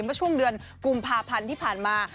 เมื่อช่วงเดือนกุมภาพันธ์ที่ผ่านมา